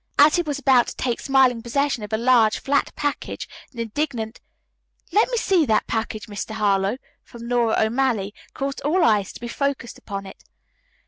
As he was about to take smiling possession of a large, flat package an indignant, "Let me see that package, Mr. Harlowe," from Nora O'Malley caused all eyes to be focused upon it.